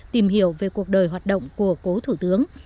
tìm hiểu về cuộc đời hoạt động của cố thủ tướng